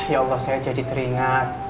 ya allah saya jadi teringat